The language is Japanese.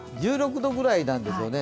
１６度くらいなんですよね。